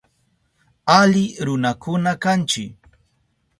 Ali runakuna kanchi.